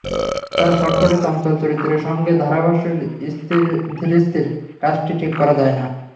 তাঁর ছটফটে, চঞ্চল চরিত্রের সঙ্গে ধারাভাষ্যের ধীরস্থির কাজটি ঠিক যায় না।